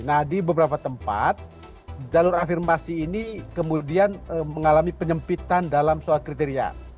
nah di beberapa tempat jalur afirmasi ini kemudian mengalami penyempitan dalam soal kriteria